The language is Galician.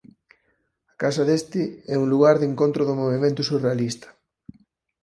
A casa deste é un lugar de encontro do movemento surrealista.